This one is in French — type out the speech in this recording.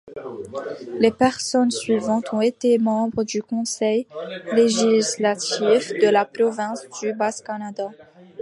Les personnes suivantes ont été membres du Conseil législatif de la Province du Bas-Canada.